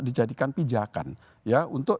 dijadikan pijakan ya untuk